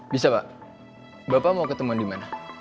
bisa pak bapak mau ketemuan di mana